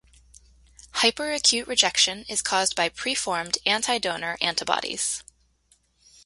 Hyperacute rejection is caused by preformed anti-donor antibodies.